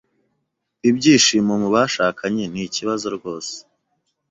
Ibyishimo mu bashakanye ni ikibazo rwose.